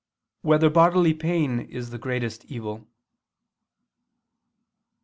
4] Whether Bodily Pain Is the Greatest Evil?